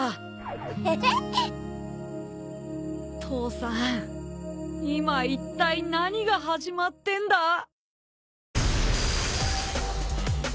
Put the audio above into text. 父さん今いったい何が始まってんだ。